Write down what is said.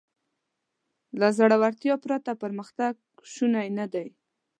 له زړهورتیا پرته پرمختګ شونی نهدی.